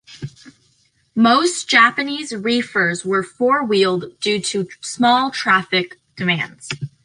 Most Japanese reefers were four-wheeled due to small traffic demands.